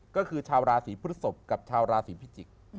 ก็คือชาวราศีพฤศพกับชาวราศีพิจิกษ์